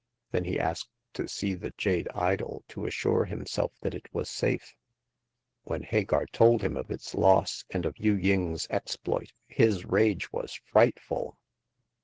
Then he asked to see the jade idol, to assure himself that it was safe. When Hagar told him of its loss, and of Yu ying's exploit, his rage was frightful.